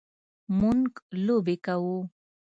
مونږ لوبې کوو